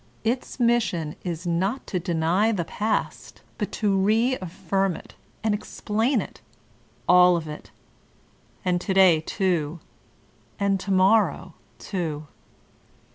Its mission is not to deny the past but to re affirm it and explain it, all of it ; and to day too, and to morrow too.